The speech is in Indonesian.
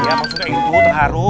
ya maksudnya itu terharu